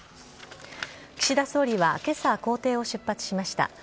岸田総理はけさ、公邸を出発しました。